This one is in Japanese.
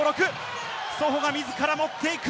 ソホが自ら持っていく。